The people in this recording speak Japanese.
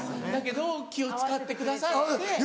だけど気を使ってくださって。